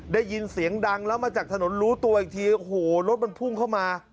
ได้ยินเสียงดังแล้วมาจากถนนรู้ตัวอีกทีโอ้โหรถมันพุ่งเข้ามา